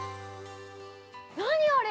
◆何あれ？